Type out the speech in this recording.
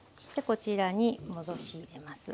こちらに戻し入れます。